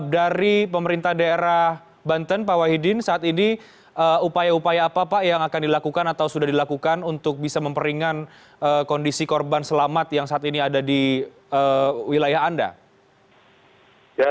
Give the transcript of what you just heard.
dari pemerintah daerah banten pak wahidin saat ini upaya upaya apa pak yang akan dilakukan atau sudah dilakukan untuk bisa memperingan kondisi korban selamat yang saat ini ada di wilayah anda